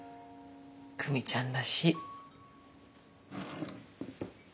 久美ちゃんらしい。